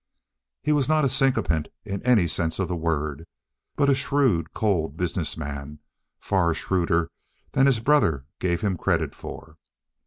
He was not a sycophant in any sense of the word, but a shrewd, cold business man, far shrewder than his brother gave him credit for.